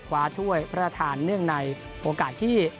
ถ้วยพระราชทานเนื่องในโอกาสที่